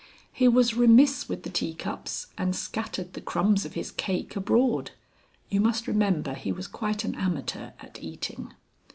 He was remiss with the teacups and scattered the crumbs of his cake abroad. (You must remember he was quite an amateur at eating.)